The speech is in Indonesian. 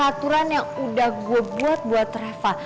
aturan yang udah gue buat buat reva